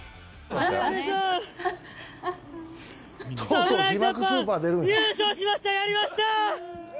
侍ジャパン優勝しました、やりました！